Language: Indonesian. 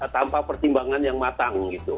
tanpa pertimbangan yang matang